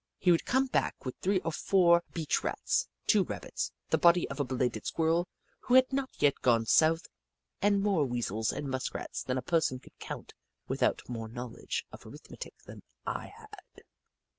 He would come back with three or four beach Rats, two Rabbits, the body of a belated Squirrel who had not yet gone south, and more Weasels and Musk rats that a person could count without more knowledge of arithmetic than I had.